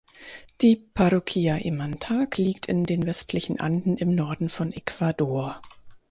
Die Parroquia Imantag liegt in den westlichen Anden im Norden von Ecuador.